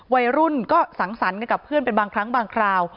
วัยรุ่นก็สังสรรค์กันกับเพื่อนเป็นบางครั้งบางคราว